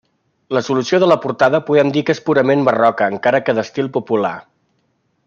La solució de la portada podem dir que és purament barroca encara que d'estil popular.